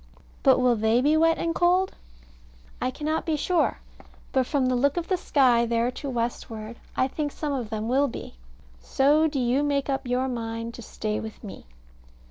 But will they be wet and cold? I cannot be sure; but from the look of the sky there to westward, I think some of them will be. So do you make up your mind to stay with me.